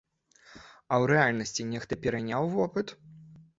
А ў рэальнасці нехта пераняў вопыт?